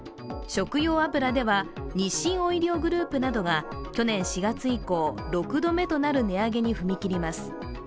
食用油では日清オイリオグループなどが去年４月以降、６度目となる値上げに踏み切ります。